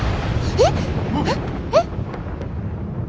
えっえっ？